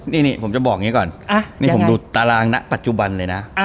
นี่ผมจะบอกอย่างนี้ก่อนนี่ผมดูตารางณปัจจุบันเลยนะ